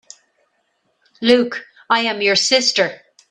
Luke, I am your sister!